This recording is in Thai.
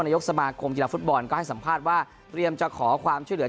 ยกสมาคมกีฬาฟุตบอลก็ให้สัมภาษณ์ว่าเตรียมจะขอความช่วยเหลือ